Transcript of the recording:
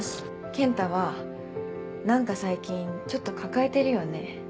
「ケンタはなんか最近ちょっと抱えてるよね？」